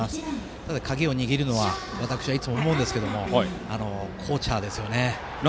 ただ、鍵を握るのは私、いつも思うんですがコーチャーですよね。